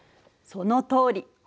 そのとおり。